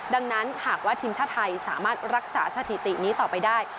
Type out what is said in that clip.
ดังนั้นหากว่าทีมชาติไทยสามารถรักษาสถิตินี้ต่อไปได้